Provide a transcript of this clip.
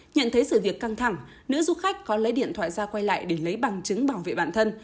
nhận thấy sự việc căng thẳng nữ du khách có lấy điện thoại ra quay lại để lấy bằng chứng bảo vệ bản thân